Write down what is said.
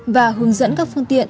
và hướng dẫn các phương tiện